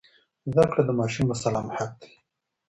زده کړه د ماشوم مسلم حق دی.